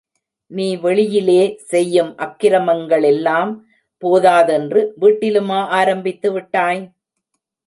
நீ வெளியிலே செய்யும் அக்கிரமங்களெல்லாம் போதாதென்று வீட்டிலுமா ஆரம்பித்து விட்டாய்!